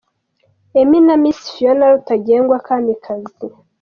Emmy na Miss Fiona Rutagengwa Kamikazi.